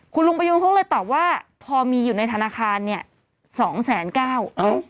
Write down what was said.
คุณลุงประยูนเขาเลยตอบว่าพอมีอยู่ในธนาคารเนี่ยสองแสนเก้า